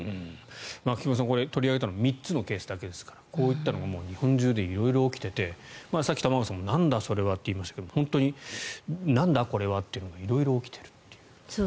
菊間さん、取り上げたのは３つのケースだけですからこういったのがもう日本中で色々起きていてさっき玉川さんもなんだそれはと言いましたが本当になんだ、これはというのが色々起きているという。